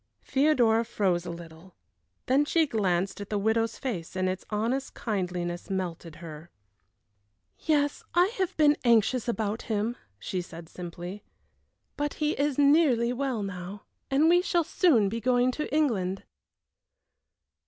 Theodora froze a little. Then she glanced at the widow's face and its honest kindliness melted her. "Yes, I have been anxious about him," she said, simply, "but he is nearly well now, and we shall soon be going to England."